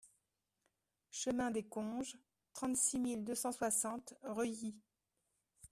Chemin des Conges, trente-six mille deux cent soixante Reuilly